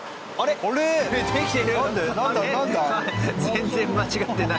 全然間違ってない。